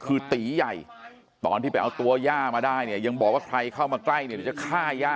คือตีใหญ่ตอนที่ไปเอาตัวย่ามาได้เนี่ยยังบอกว่าใครเข้ามาใกล้เนี่ย